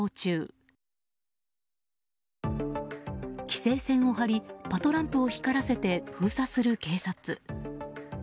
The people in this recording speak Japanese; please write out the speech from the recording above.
規制線を張りパトランプを光らせて封鎖する警察。